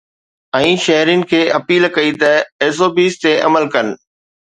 ۽ شهرين کي اپيل ڪئي ته ايس او پيز تي عمل ڪن